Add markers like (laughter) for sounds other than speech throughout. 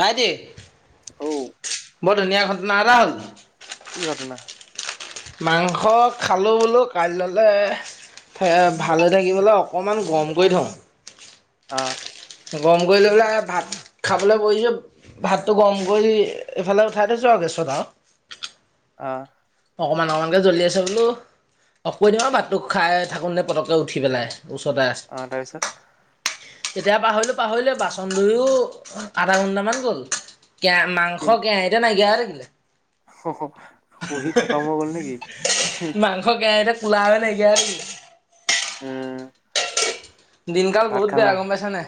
ভাইটি, ঔ বৰ ধুনীয়া ঘটনা এটা হ'ল। কি ঘটনা? মাংস খালোঁ বোলো কাইলৈলে এ ভালে থাকিবলৈ অকণমান গৰম কৰি থওঁ। অ'। গৰম কৰি লৈ পেলাই ভাত খাবলৈ বহিছো ভাতটো গৰম কৰি, এইফালে উঠাই থৈছোঁ আৰু গেছত আৰু। অ'। অকমান অকমানকে জ্বলি আছে বোলো। অফ কৈ দিম বাৰু ভাতটো খাই থাকোঁ নে পটককৈ উঠি পেলাই ওচৰতে আছে। অ', তাৰ পিছত। তেতিয়া পাহৰিলোঁ পাহৰিলোঁৱে বাচন ধুইয়ো আধা ঘণ্টামান গ'ল। কেয়া মাংস কেৰাহীতে নাইকিয়া হৈ থাকিলে। শুহি পহি খটম হৈ গ'ল নে কি? কোলা হৈ নাইকিয়া হৈ থাকিলে। উম। দিনকাল ভাত বহুত খালা বেয়া গম পাইছা নাই।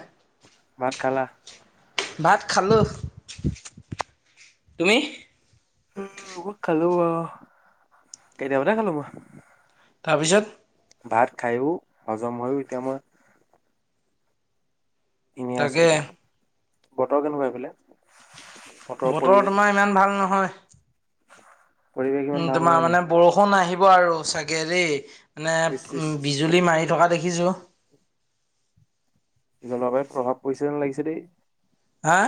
ভাত খালা ভাত খালো, তুমি? উম, ময়ো খালো বাৰু, কেতিয়াবাতে খালো মই। তাৰপিছত? ভাত খায়ো হজম হৈওঁ এতিয়া মই এনে আছো তাকে এতিয়া। বতৰ কেনেকুৱা সেইফালে? বতৰ পৰিৱেশ? তোমাৰ ইমান ভাল নহয়। পৰিৱেশ ইমান উম, ভাল তোমাৰ নহয় নি মানে বৰষুণ আহিব আৰু চাগে দেই। ইচ ইচ মানে বিজুলি মাৰি থকা দেখিছো। জলবায়ুত প্ৰভাৱ পৰিছে যেন লাগিছে দেই। হা?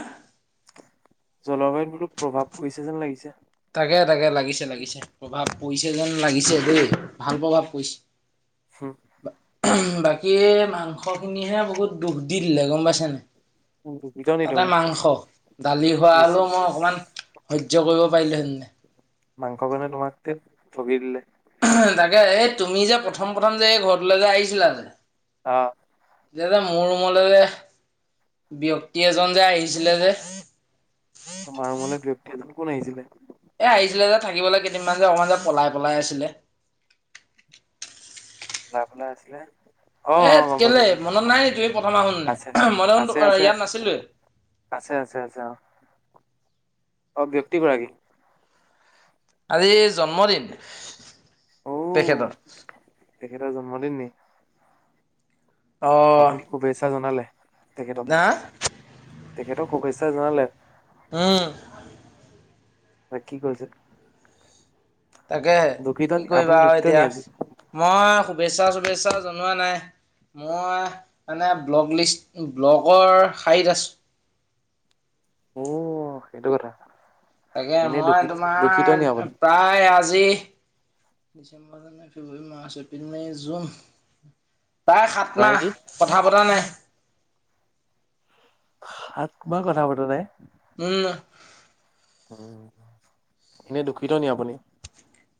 জলবায়ুত বোলো প্ৰভাৱ পৰিছে যেন লাগিছে। তাকে, তাকে, লাগিছে, লাগিছে, প্ৰভাৱ পৰিছে যেন লাগিছে দেই, ভাল প্ৰভাৱ পৰিছে। হু। বাকী মাংস খিনিহে বহুত দুখ দি দিলে গম পাইছা নাই। দুখিত নি তাতে তুমি মাংস, দালি হোৱা হ'লেও মই অকমান সহ্য কৰিব পাৰিলোহেঁতেনে। মাংস, মানে তোমাক ধেট ঠগি দিলে। তাকে, এই তুমি যে প্ৰথম প্ৰথম যে, এই ঘৰটোলৈ যে আহিছিলা যে অ'। (unintelligible) যে মোৰ ৰুমলে যে ব্যক্তি এজন যে আহিছিলে যে। তোমাৰ ৰুমলে ব্যক্তি এজন কোন আহিছিলে? এ আহিছিলে যে থাকিবলৈ কেইদিনমান যে অকণমান যে পলাই পলাই আছিলে। পলাই পলাই আছিলে। এ অ', অ', গম পাইছো কেলে মনত নাই নি (unintelligible) তুমি প্ৰথম আহোন নে আছে, মই দেখোন আছে আছে ইয়াত আছে। নাছিলোৱেই আছে আছে আছে অ', অ', ব্যক্তিগৰাকী। আজি জন্মদিন অ তেখেতৰ। তেখেতৰ জন্মদিন নি? অ'। আপুনি শুভেচ্ছা জনালে তেখেতক? হা তেখেতক শুভেচ্ছা জনালে? উম। (unintelligible) কি কৰিছা? তাকে কি কৰিবা আৰু দুখিত নি এতিয়া, আজি মই শুভেচ্ছা শুভেচ্ছা জনোৱা নাই। মই মানে ব্লক লিষ্ট, ব্লকৰ শাৰীত আছোঁ। অ', সেইটো কথা। তাকে এনেই মই দুখিত তোমাৰ দুখিত নি আপুনি প্ৰায় আ আজি, ডিচেম্বৰ নাই ফেব্ৰুৱাৰী মাৰ্চ এপ্ৰিল নাই জুন প্ৰায় সাত মাহ কথা পতা নাই। সাত মাহ কথা পতা নাই। উম। এনেই দুখিত নি আপুনি?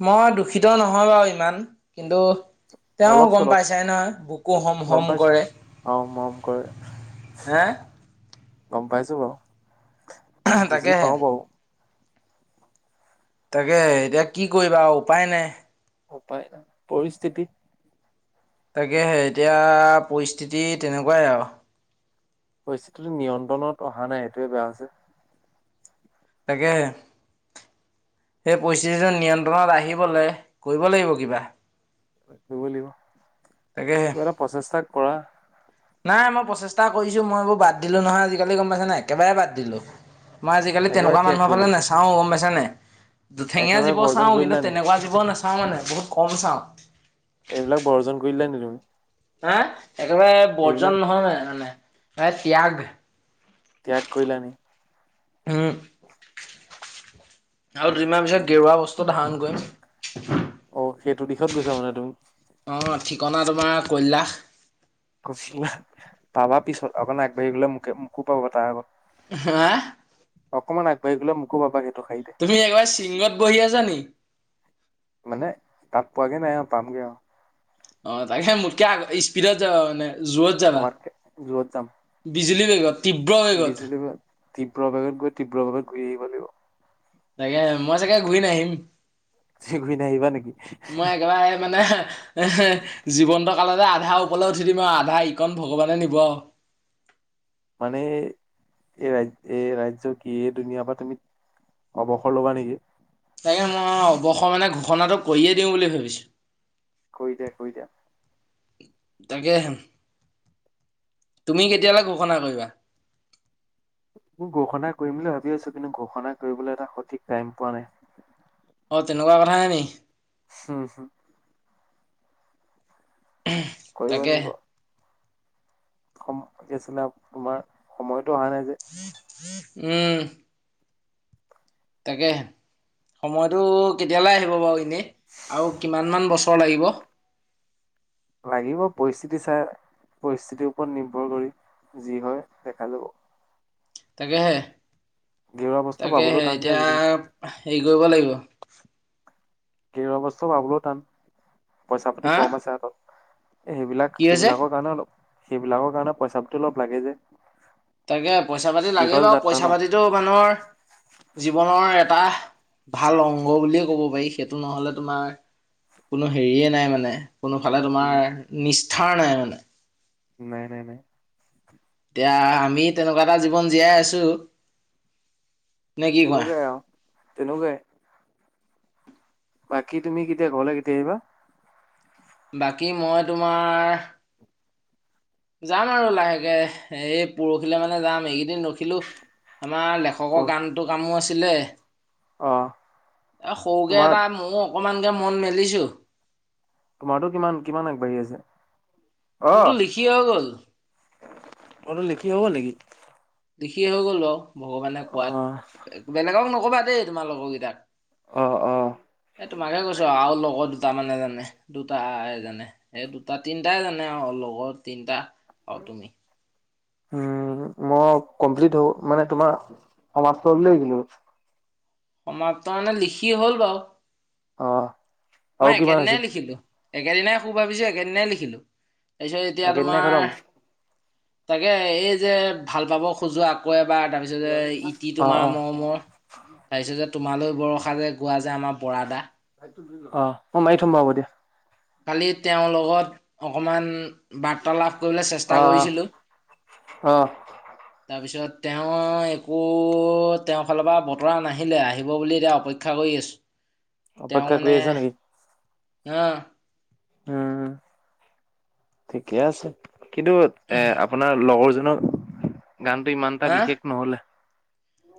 মই দূখিত নহয় বাৰু ইমান কিন্তু তেওঁ অলপ গম চলপ পাইছাই নহয়, বুকো হম গম হম পাইছো কৰে। অ মৰম কৰে হে? গম পাইছো বাৰু, বুজি তাকেহে পাওঁ বাৰু। তাকে এতিয়া কি কৰিবা আৰু উপায় নাই। উপায় নাই পৰিস্থিতি। তাকেহে এতিয়া পৰিস্থিতি তেনেকুৱাই আৰু। পৰিস্থিতিটো নিয়ন্ত্ৰণত অহা নাই এইটোৱে বেয়া হৈছে। তাকেহে। সেই পৰিস্থিতিটো নিয়ন্ত্ৰণত আহিবলৈ কৰিব লাগিব কিবা। কৰিব লাগিব, তাকেহে কিবা এটা প্ৰচেষ্টা কৰা। নাই মই প্ৰচেষ্টা কৰিছো মই এইবোৰ বাদ দিলো নহয় আজিকালি গম পাইছা নাই, একেবাৰে বাদ দিলো। মই আজিকালি একেবাৰে তেনেকুৱা ত্যাগ মানুহৰ কৰিলা ফালে নাচাওঁ গম পাইছানে। দুঠেঙীয়া একেবাৰে জীৱ বৰ্জন চাওঁ কিন্তু কৰিলা নি তেনেকুৱা জীৱ নাচাওঁ মানে বহুত কম চাওঁ। এইবিলাক বৰ্জন কৰিলা দিলানি তুমি? হে একেবাৰে এইবিলাক বৰ্জন নহয় মানে মানে ত্যাগ ত্যাগ কৰিলা নে উম আৰু দুদিনমান পিছত উম, গেৰুৱা বস্তু ধাৰণ কৰিম অ সেইটো দিশত গৈছা মানে তুমি অ ঠিকনা তোমাৰ কৈলাশ কৈছিলা পাবা পিছত অকণ আগবাঢ়ি গ'লে মোকে মোকো পাব তাৰ আগত (unintelligible) অকমান আগাবাঢ়ি গলে মোকো পাবহি তুমি একেবাৰে শিংগত বহি আছা নেকি মানে তাত পোৱাগে নাই আৰু পামগে আও অ তাকে মোককে আ স্পিডত যাবা মানে জোৰত তোমাতকে জোৰত যাম বিজুলি বেগত তীব্ৰ বেগত বিজুলী বেগ তীব্ৰবেগত গৈ তীব্ৰবেগত ঘূৰি আহিব লাগিব তাকে মই চাগে ঘূৰি নাহিম ঘূৰি নাহিবা নেকি মই একেবাৰে মানে এহে জীৱন্ত কালতে, আধা ওপৰলৈ উঠি দিম আও আধা ইকণ ভগৱানে নিব আও মানে, এই এই ৰাজ্য এ ৰাজ্য কি, এই দুুনীয়া পৰা তুমি অবসৰ লবা নেকি। তাকে মই, অৱসৰ মানে, ঘোষণাটো কৰিয়ে দিওঁ বুলি ভাবিছোঁ। কৰি দিয়া, কৰি দিয়া। তাকেহে, তুমি কেতিয়ালৈ ঘোষণা কৰিবা মই ঘোষণা কৰিম বুলি ভাবি আছো, কিন্তু ঘোষণা কৰিবলৈ, এটা সঠিক টাইম পোৱা নাই। অ তেনেকুৱা কথাহে নেকি। হুম, হুম কৰিব তাকেহে লাগিব। সম, কি আছিলে তোমাৰ, সময়তো অহা নাই যে। উম। তাকেহে, সময়টো কেতিয়ালে আহিব বাৰু এনেই, আৰু কিমান মান বছৰ লাগিব লাগিব পৰিস্থিতি চাই পৰিস্থিতিৰ ওপৰত নিৰ্ভৰ কৰি যি হয় দেখা যাব। তাকেহে গেৰুৱা বস্তু পাবলৈও তাকেহে টান যে এতিয়া, আজিকালি হেৰি কৰিব লাগিব। গৃহ অৱস্থাও পাবলো টান, পইচা পাতি হা কম আছে, হাতত। এ সেইবিলাক, কি হৈছে সেইবিলাকৰ কাৰণে অলপ, সেইবিলাকৰ কাৰণে, পইচা পাতি অলপ লাগে যে। তাকেহে, পইচা পাতি লাগে দীঘল বাৰু, যাত্ৰা ন। পইচা পাতিটো মানুহৰ জীৱনৰ এটা, ভাল অংগ বুলিয়ে ক'ব পাৰি। সেইটো নহ'লে তোমাৰ কোনো হেৰিয়ে নাই মানে, কোনোফালে উম তোমাৰ, নিষ্ঠাৰ নাই মানে। নাই নাই নাই। এতিয়া, আমি তেনেকুৱা এটা জীৱন জীয়াই আছো। নে কি কোৱা তেনেকুৱাই আও তেনেকুৱাই। বাকী তুমি কেতিয়া, ঘৰলে কেতিয়া আহিবা বাকী, মই তোমাৰ যাম আৰু লাহেকে, এই পৰহিলে মানে যাম, এইকেইদিন ৰখিলো। আমাৰ লেখকৰ পৰহি গানটো, কামো আছিলে। অ এ সৰুকে তোমাৰ এটা মইও অকমানকে মন মেলিছো। তোমাৰতো কিমান, কিমান আগবাঢ়ি আছে? মোৰতো লিখি হৈ গ'ল। অ টোৰ লিখি হৈ গল নেকি? লিখি হৈ গ'ল বাও, ভগৱানে অ কোৱাত। বেলেগক নকবা দেই, তোমাৰ লগৰ কেইটাক। অ অ। এ তোমাকে কৈছো আও লগৰ দুটা মানে জানে, দুটায়ে জানে। এ দুটা, তিনটাই জানে আও লগৰ তিনটা। আৰু তুমি অ। অ মই কমপ্লি হ মানে তোমাৰ সমাপ্ত বুলিয়ে লিখিলো। সমাপ্ত মানে, লিখি হ'ল বাও। অ। মই আৰু কিমান আছে একেদিনাই লিখিলো। একেদিনাই খু ভাবিছো, একেদিনাই লিখিলো। তাছত এতিয়া একেদিনাই তোমাৰ খতম তাকেই এই যে, ভাল পাব খোজো আকৌ এবাৰ তাপি ছতে, ইতি অ তোমাৰ অ মৰমৰ। তাপিছতে তোমালৈ বৰষা যে গোৱা যে, আমাৰ বৰাদা। (unintelligible) অ মাৰি থ'ম বাও, হ'ব দিয়া। কালি তেওঁৰ লগত অকমান বাৰ্তা লাভ কৰিবলে চেষ্টা অ কৰিছিলো। অ অ তাৰপিছত তেওঁ একো তেওঁৰ ফালৰ বতৰা নাহিলে, আহিব বুলি এতিয়া অপেক্ষা কৰি আছ অপেক্ষা কৰি আছা নেকি? অ। উম, ঠিকে আছে। কিন্তু এ আপোনাৰ লগৰজনৰ গানটো ইমান এটা বিশেষ নহ'লে।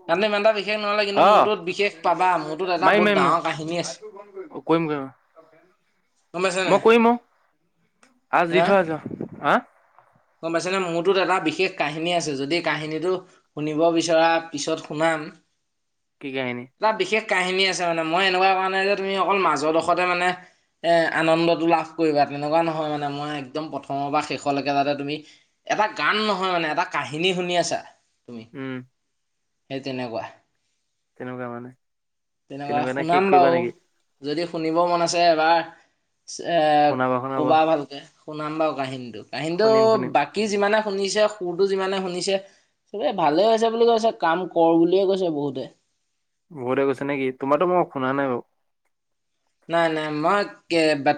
গানটো ইমান এটা বি শেষ নহ'লে কিন্তু অ মোৰটোত বিশেষ পাবা মোৰটোত এটা মাৰিম বহুত মাৰিম ডাঙৰ কাহিনী আছে। কৰিম কৰিম গম পাইছা নাই। আ দি হা থৈ যাও, আ। গম পাইছেনে মোৰটোত এটা বিশেষ কাহিনী আছে যদি কাহিনীটো শুনিব বিচৰা পিছত শুনাম। কি কাহিনী? তাত বিশেষ কাহিনী আছে মানে মই এনেকুৱা কোৱা নাই যে তুমি অকল মাজৰডোখৰতে মানে এ আনন্দটো লাভ কৰিবা তেনেকুৱা নহয় মানে মই একদম প্ৰথমৰ বা শেষলৈকে তাতে তুমি এটা গান নহয় মানে এটা কাহিনী শুনি আছা তুমি। উম সেই তেনেকুৱা, তেনেকুৱা মানে তেনেকুৱা নে শেষ শুনাম কৰিবা বাও। নেকি যদি শুনিব মন আছে এবাৰ এ শুনাবা শুনাবা কবা ভালকে। শুনাম বাও কাহিনীটো কাহিনীটো শুনিম শুনিম বাকী যিমানে শুনিছে সুৰটো যিমানে শুনিছে চবেই ভালেই হৈছে বুলি কৈছে কাম কৰ বুলিয়ে কৈছে বহুতে। বহুতে কৈছে নেকি? তোমাৰটো মই শুনা নাই বাও। নাই নাই মই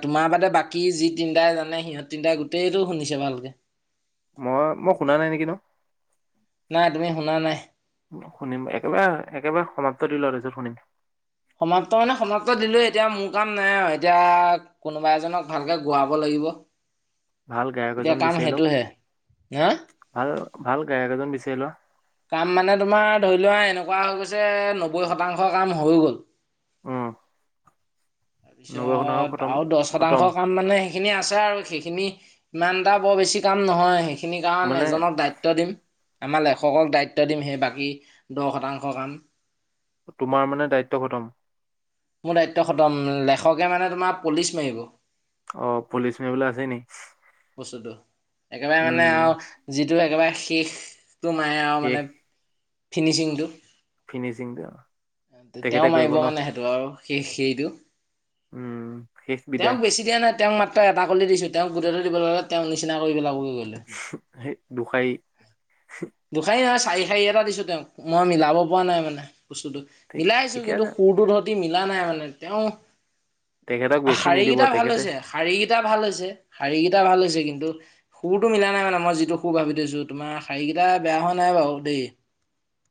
তোমাৰ বাদে বাকী যি তিনিটাই জানে সিহঁত তিনিটাই গোটেইটো শুনিছে ভালকে। মই মই শুনা নাই নেকি নো। নাই তুমি শুনা নাই। শুনিম একেবাৰে একেবাৰে সমাপ্ত দি ল তাছত শুনিম। সমাপ্ত মানে সমাপ্ত দিলো, এতিয়া মোৰ কাম নাই আও এতিয়া কোনোবা এজনক ভালকে গোৱাব লাগিব। ভাল গায়ক এতিয়া এজন কাম বিচাৰি লওক। সেইটোহে হা আৰু ভাল গায়ক এজন বিচাৰ লোৱা। কাম মানে তোমাৰ ধৰি লোৱা এনেকুৱা হৈ গৈছে, নব্বৈ শতাংশ কাম হৈ গ'ল। উম। নবসনা তাৰপিছত খতম আৰু দহ খতম শতাংশ কাম মানে সেইখিনি আছে আৰু, সেইখিনি ইমান এটা বৰ বেছি কাম নহয়, সেই খিনি কাৰণ মানে এজনক দায়িত্ব দিম। আমাৰ লেখকক দায়িত্ব দিম, সেই বাকী দহ শতাংশ কাম। তোমাৰ মানে দায়িত্ব খতম? মোৰ দায়িত্ব খতম, লেখকে মানে তোমাৰ পলিচ মাৰিব। অ', পুলিচ মাৰিবলৈ আছেই নেকি। বস্তুটো, একেবাৰে মানে আৰু যিটো একেবাৰে শেষ। টো নাই আৰু শেষ মানে, ফিনিচিংটো। ফিনিচিংটো অ'। তেওঁ মাৰিব মানে সেইটো আৰু সেই সেইটো। উম শেষ বিদায় তেওঁক বেছি দিয়া নাই, তেওঁক মা ত্ত্ৰ এটা কলি দিছোঁ, তেওঁক গোটেইটো দিব ল'লে, তেওঁ নিচিনা কৰি পেলাব, গৈ লৈ। সেই দখাই। দুখাৰী নহয়, চাৰি খাৰি এটা দিছোঁ তেওঁক, মই মিলাব পৰা নাই মানে, বস্তুটো। ঠিক মিলাইছোঁ, ঠিকে কিন্তু আছে সুৰটো সতি মিলা নাই মানে, তেওঁ তেখেতক বেছি শাৰী নিদিব কেইটা ভাল তেখেতে হৈছে, শাৰী কেইটা ভাল হৈছে, শাৰী কেইটা ভাল হৈছে, কিন্তু সুৰটো মিলা নাই মানে, মই যিটো সুৰ ভাবি থৈছোঁ, তোমাৰ শাৰীকেইটা বেয়া হোৱা নাই বাৰু দেই।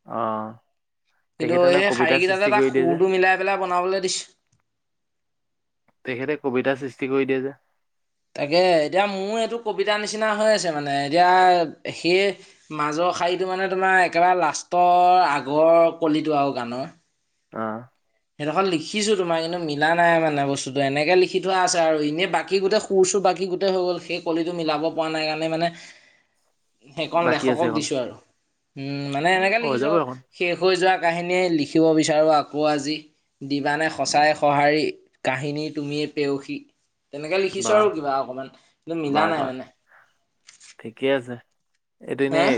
অ'। কিন্তু, তেখেতে ন সেই কবিতা সৃষ্টি শাৰীকেইটাতে কৰি তাক দিয়ে যে সুৰটো মিলাই পেলাই বনাবলৈ দিছোঁ। তেখেতে কবিতা সৃষ্টি কৰি দিয়ে যে। তাকে, এতিয়া মোৰ এইটো কবিতাৰ নিচিনা হৈ আছে মানে, এতিয়া সিয়ে মাজৰ শাৰীটো মানে তোমাৰ একেবাৰে লাষ্টৰ আগৰ কলিটো আৰু গানৰ। অ'। সেইডখৰ লিখিছোঁ তোমাৰ, কিন্ত মিলা নাই মানে বস্তুটো এনেকে লিখি থোৱা আছে আৰু এনে বাকী গোটেই সুৰ-চুৰ বাকী গোটেই হৈ গ'ল, সেই কলিটো মিলাব পৰা নাই কাৰণে মানে (inaudible) সেইকণ বাকী আছে লেখকক এখন দিছোঁ আৰু, উম, মানে এনেকে হৈ যাব লিখিছোঁ এখন শেষ হৈ যোৱা কাহিনীয়ে, লিখিব বিচাৰোঁ, আকৌ আজি, দিবানে উম, সঁচাই সঁহাৰি। কাহিনীৰ তুমিয়ে পেয়সী, তেনেকে লিখিছোঁ বাহ আৰু কিবা অকণমান, কিন্তু মিলা নাই মানে। ঠিকেই আছে, এইটো হে এনেই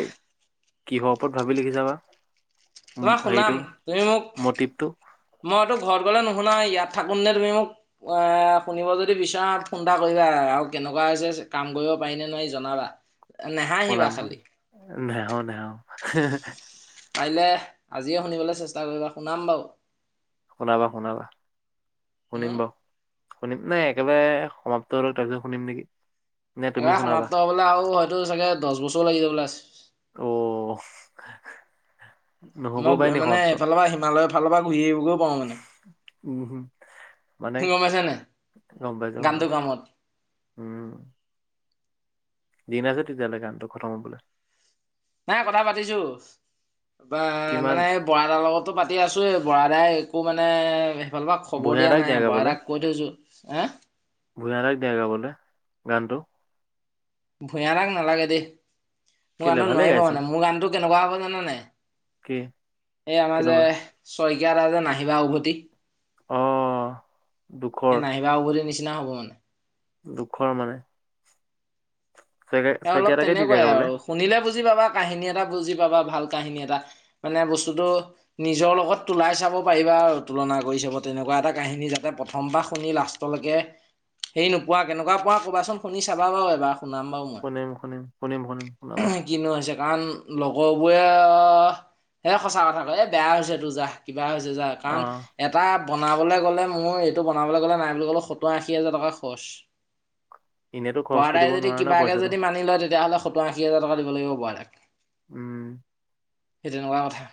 কিহৰ ওপৰত ভাবি লিখিছা বা, উম, তোমাক শুনাম হেৰিটো তুমি মোক মটিভটো? মইতো ঘৰত গ'লে নুশুনাই, ইয়াত থাকোনতে তুমি মোক এ, শুনিব যদি বিচৰা, ফোন এটা কৰিবা, আৰু কেনেকুৱা হৈছে কাম কৰিব পাৰিনে নোৱাৰি জনাবা। নেহাঁহিবা শুনাম মই, খালি নেহঃ নেহঃ। পাৰিলে, আজিয়ে শুনিবলৈ চেষ্টা কৰিবা, শুনাম বাৰু। শুনাবা-শুনাবা, শুনিম উম বাউ। শুনিম, নাই একেবাৰে সমাপ্ত হৈ লওক, তাৰপিছত শুনিম নেকি? নে তুমি একেবাৰে, শুনাবা সমাপ্ত হ'বলে আৰু হয়তো চাগে দহ বছৰো লাগি যাবলৈ আছে। অও। মই মানে এইফালৰ পৰা হিমালয় ফালৰ পৰা ঘূৰি আহিবগৈ পাৰোঁ মানে। উম হুম। তুমি গম পাইছা নাই গম পাইছো গম গানটো পাইছো কামত উম। দিন আছে তেতিয়াহ'লে কামটো খতম হবলৈ। নাই কথা পাতিছো বা কিমান মানে বড়া দাৰ লগতো পাতি আছোৱেই, বড়া দাই একো মানে সেইফালৰ পৰা খবৰ ভূঞা দিয়া দাক নাই বড়া গাবলে দাক কৈ থৈছো। হে? ভূঞা দাক দিয়া গাবলৈ, গানটো। ভূঞা দাক নালাগে দেই, মোৰ কেলে গানটো ভালে নোৱাৰিব গাইচোন মানে মোৰ গানটো কেনেকুৱা হ'ব জানা নাই? কি এ আমাৰ যে, কেনেকুৱা শইকীয়া দা যে নাহিবা উভতি। অ দুখৰ এ নাহিবা উভতিৰ নিচিনা হ'ব মানে। দুখৰ মানে, এ শইকীয়া অলপ শইকীয়া দা কে দি দিয়া তেনেকুৱাই আৰু গাবলে। শুনিলে বুজি পাবা কাহিনী এটা বুজি পাবা ভাল কাহিনী এটা মানে বস্তুটো নিজৰ লগত তোলাই চাব পাৰিবা আৰু তুলনা কৰি চাব তেনেকুৱা এটা কাহিনী যাতে প্ৰথমবাৰ শুনি লা ষ্টৰলৈকে, হেৰি নোপোৱা কেনেকুৱা পোৱা ক'বাচোন শুনি চাবা বাৰু এবাৰ শুনাম বাৰু মই শুনিম শুনিম, শুনিম শুনিম। শুনাবা (unintelligible) কিনো হৈছে কাৰণ লগৰবোৰে অ এ সঁচা কথা কয় এ বেয়া হৈছে তোৰ যা। কিবা হৈছে যা অ কাৰণ এটা বনাবলৈ গ'লে মোৰ এইটো বনাবলৈ গ'লে নাই বুলি ক'লেও সত্তৰ আশী হাজাৰ টকা খৰচ। এনেতো খৰচ কৰি দিব নোৱাৰা না পইচাটো। আনি লয় তেতিয়াহ'লে সত্তৰ আশীহাজাৰ টকা দিব লাগিব বড়া দাক। উম। সে তেনেকুৱা কথা।